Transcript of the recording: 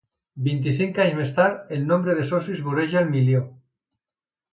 Vint-i-cinc anys més tard, el nombre de socis voreja el milió.